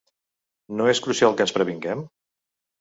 No és crucial que ens previnguem?